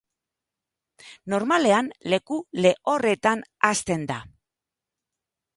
Normalean leku lehorretan hazten da.